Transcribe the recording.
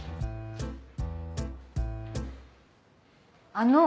あの。